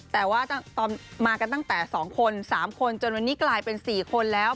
แต่ว่ามากันตั้งแต่๒คน๓คนจนวันนี้กลายเป็น๔คนแล้ว